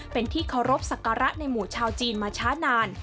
เป็นที่เคารพสักการะในหมู่ชาวจีนมาช้านาน